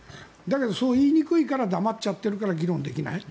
そういいにくいからだまっちゃっているから議論できない。